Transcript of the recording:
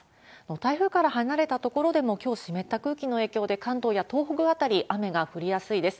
台風から離れた所でも、きょう、湿った空気の影響で、関東や東北辺り、雨が降りやすいです。